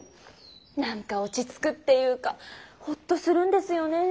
なんか落ちつくっていうかホッとするんですよねェー。